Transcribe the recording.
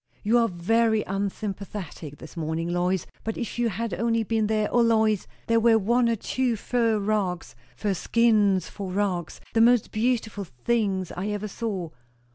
You are very unsympathetic this morning, Lois! But if you had only been there. O Lois, there were one or two fur rugs fur skins for rugs, the most beautiful things I ever saw.